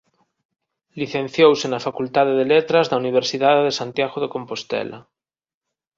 Licenciouse na Facultade de Letras da Universidade de Santiago de Compostela.